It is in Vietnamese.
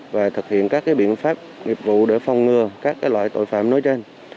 và thực hiện các biện pháp nghiệp vụ để phòng ngừa các loại tội phạm nói trên